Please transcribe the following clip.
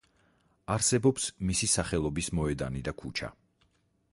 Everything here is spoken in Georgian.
არსებობს მისი სახელობის მოედანი და ქუჩა.